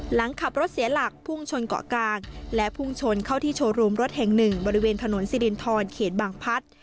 หลังขับรถเสียหลักพุ่งชนเกาะกลางและพุ่งชนเข้าที่โชว์รูมรถแห่งหนึ่งบริเวณถนนสิรินทรเขตบางพัฒน์